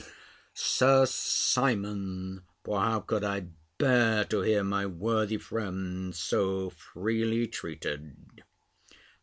Sir Simon; for how could I bear to hear my worthy friend so freely treated!